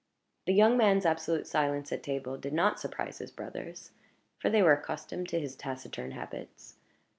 The young man's absolute silence at table did not surprise his brothers, for they were accustomed to his taciturn habits.